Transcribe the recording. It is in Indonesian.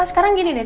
sekarang gini nih